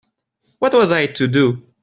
What was I to do?